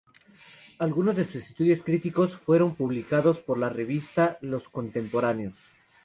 Algunos de sus estudios críticos fueron publicados por la revista de los Contemporáneos.